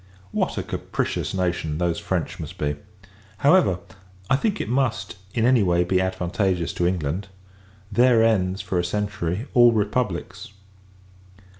What a capricious nation those French must be! However, I think it must, in any way, be advantageous to England. There ends, for a century, all republics!